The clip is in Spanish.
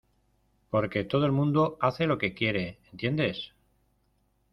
porque todo el mundo hace lo que quiere, ¿ entiendes?